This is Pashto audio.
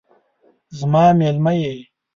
زما میلمه یې